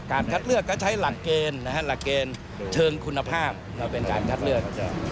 คัดเลือกก็ใช้หลักเกณฑ์นะฮะหลักเกณฑ์เชิงคุณภาพมาเป็นการคัดเลือก